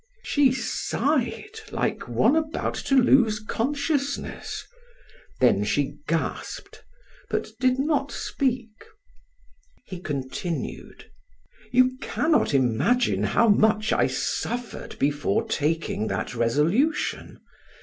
She sighed like one about to lose consciousness; then she gasped, but did not speak. He continued: "You cannot imagine how much I suffered before taking that resolution.